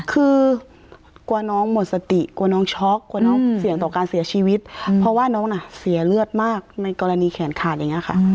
คือกลัวน้องหมดสติกลัวน้องช็อกกลัวน้องเสี่ยงต่อการเสียชีวิตเพราะว่าน้องน่ะเสียเลือดมากในกรณีแขนขาดอย่างนี้ค่ะ